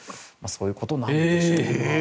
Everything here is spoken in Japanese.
そういうことなんじゃないでしょうか。